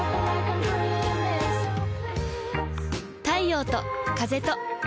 太陽と風と